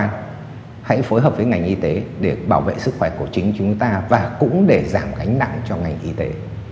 chúng ta hãy phối hợp với ngành y tế để bảo vệ sức khỏe của chính chúng ta và cũng để giảm gánh nặng cho ngành y tế